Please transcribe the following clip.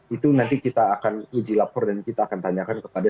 itu nanti kita akan uji lapor dan kita akan tanyakan kepada